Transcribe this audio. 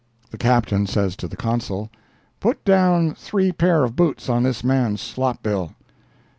The Captain says to the Consul: "Put down three pair of boots on this man's slop bill."